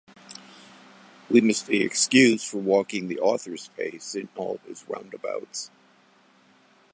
We must be excused for walking the author's pace in all his roundabouts.